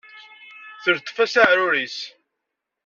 Teltef-as aɛrur-is.